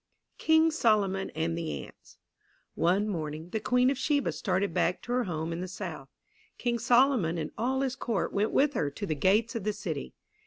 King Solomon and the Ants FLORA J. COOKE One morning the Queen of Sheba started back to her home in the South. King Solomon and all his court went with her to the gates of the city.